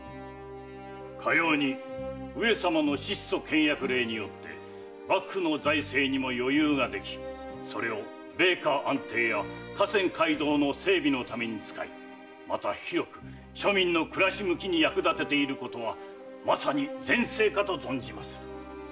かように上様の質素倹約令によって幕府の財政にも余裕ができそれを米価安定や河川街道の整備のために使いまた広く庶民の暮らし向きに役立てていることはまさに善政かと存じます。